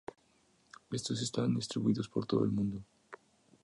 Estos estaban distribuidos por todo el mundo.